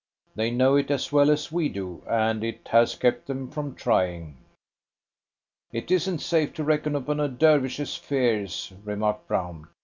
They know it as well as we do, and it has kept them from trying." "It isn't safe to reckon upon a Dervish's fears," remarked Brown.